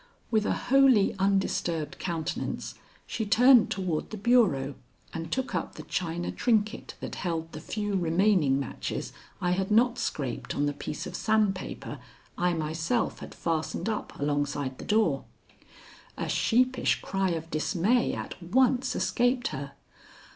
With a wholly undisturbed countenance she turned toward the bureau and took up the china trinket that held the few remaining matches I had not scraped on the piece of sandpaper I myself had fastened up alongside the door. A sheepish cry of dismay at once escaped her.